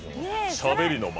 しゃべりの間。